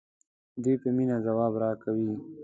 دوی په مینه ځواب راکوي.